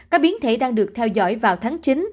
các biến thể đang được theo dõi vào tháng chín